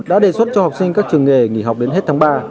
đã đề xuất cho học sinh các trường nghề nghỉ học đến hết tháng ba